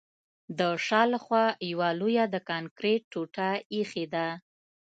د شا له خوا یوه لویه د کانکریټ ټوټه ایښې ده